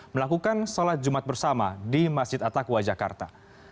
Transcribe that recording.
melakukan sholat jumat bersama di masjid attaqwa jakarta